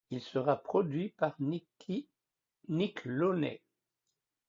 Il sera produit par Nick Launay.